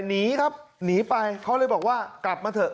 หนีครับหนีไปเขาเลยบอกว่ากลับมาเถอะ